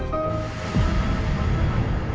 lo mau kemana